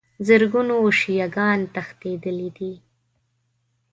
زرګونو شیعه ګان تښتېدلي دي.